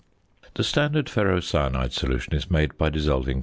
The standard ferrocyanide solution is made by dissolving 43.